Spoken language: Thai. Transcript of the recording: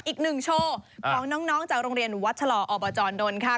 อีกหนึ่งโชว์ของน้องจากโรงเรียนวัดชะลออบจดลค่ะ